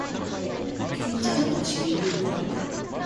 剣ちゃんの真空パック